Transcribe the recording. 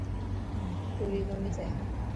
پوري ڪوني ٿي.